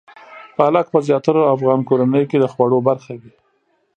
پالک په زیاترو افغان کورنیو کې د خوړو برخه وي.